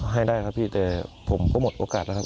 ให้ได้ครับพี่แต่ผมก็หมดโอกาสแล้วครับ